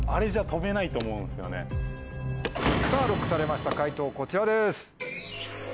さぁＬＯＣＫされました解答こちらです。